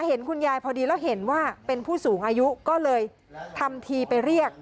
เห็นคุณยายพอดีแล้วเห็นว่าเป็นผู้สูงอายุก็เลยทำทีไปเรียก